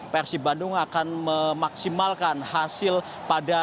persib bandung akan memaksimalkan hasil pada